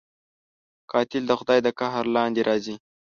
قاتل د خدای د قهر لاندې راځي